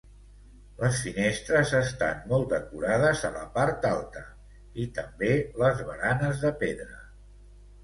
Les finestres estan molt decorades a la part alta i també les baranes de pedra.